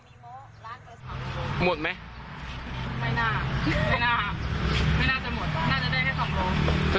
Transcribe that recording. ไม่น่าไม่น่าจะหมดงั้นจะได้แค่๒โล